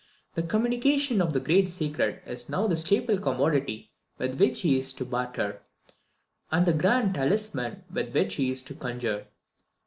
The communication of the great secret is now the staple commodity with which he is to barter, and the grand talisman with which he is to conjure.